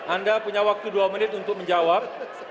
anda punya waktu dua menit untuk menjawab